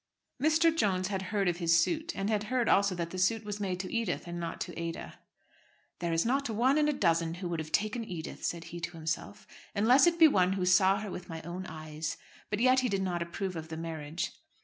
Mr. Jones had heard of his suit, and had heard also that the suit was made to Edith and not to Ada. "There is not one in a dozen who would have taken Edith," said he to himself, "unless it be one who saw her with my eyes." But yet he did not approve of the marriage.